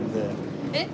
えっ？